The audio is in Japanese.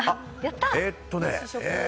えっとね。